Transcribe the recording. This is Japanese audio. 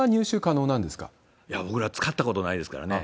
僕ら使ったことないですからね。